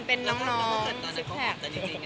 ก่อนลูกต๊อตอ่ะง่ายยังไงพี่ขอบลวง